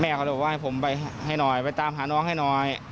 เขาเลยบอกว่าให้ผมไปให้หน่อยไปตามหาน้องให้หน่อย